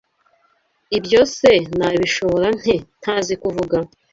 Ibyo se nabishobora nte ntazi kuvuga